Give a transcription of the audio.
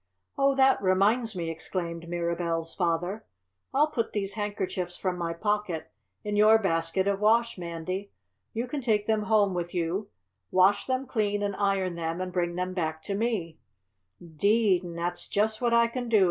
"Oh, that reminds me!" exclaimed Mirabell's father. "I'll put these handkerchiefs from my pocket in your basket of wash, Mandy! You can take them home with you, wash them clean and iron them and bring them back to me." "'Deed an' dat's just what I can do!"